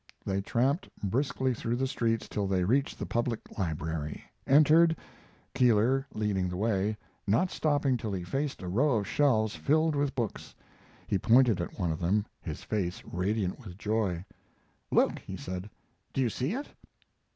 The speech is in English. They tramped briskly through the streets till they reached the public library, entered, Keeler leading the way, not stopping till he faced a row of shelves filled with books. He pointed at one of them, his face radiant with joy. "Look," he said. "Do you see it?"